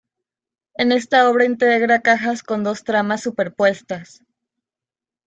En esta obra integra cajas con dos tramas superpuestas.